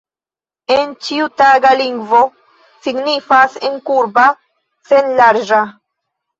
En ĉiutaga lingvo signifas ne kurba, sen larĝa.